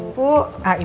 ibu yang bersih